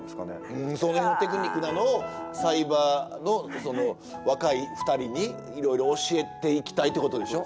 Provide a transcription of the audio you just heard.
うんその辺のテクニックなどをサイバーのその若い２人にいろいろ教えていきたいってことでしょ？